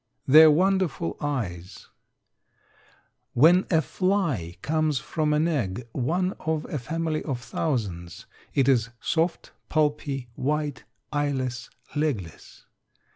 THEIR WONDERFUL EYES. When a fly comes from an egg, one of a family of thousands, it is soft, pulpy, white, eyeless, legless.